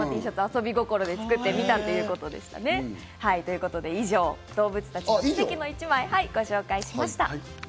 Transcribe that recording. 遊び心で作ってみたということでしたね。ということで以上、動物たちの奇跡の一枚をご紹介しました。